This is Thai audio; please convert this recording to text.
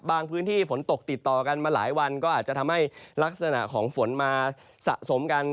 พื้นที่ฝนตกติดต่อกันมาหลายวันก็อาจจะทำให้ลักษณะของฝนมาสะสมกัน